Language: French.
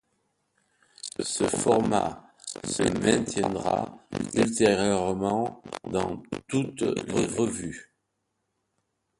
Ce format se maintiendra ultérieurement dans toutes les revues.